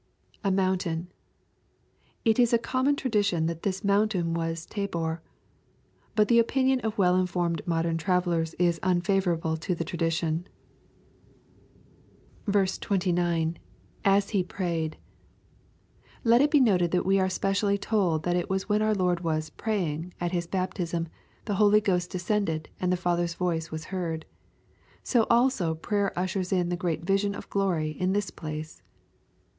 [A mountain.] It is a common tradition that this mountaic LUKE, CHAP IX. 819 Tfas Tabor. But the opiuion of wall informed modem travellers is mifavorable to the tradition. 21). [As he prayed.'l Let it be noted that we are specially told that it was when our Lord was " praying" at His baptism the Holy Ghost descended and the Father's voice was heard. So also prayer ushers in the great vision of glory in this place.